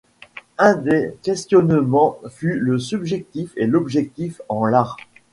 Un des questionnements fut le subjectif et l’objectif en l’Art.